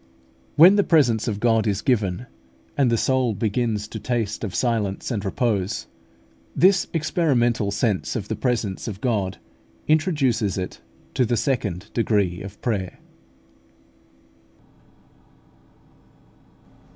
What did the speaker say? When the presence of God is given, and the soul begins to taste of silence and repose, this experimental sense of the presence of God introduces it to the second degree of prayer.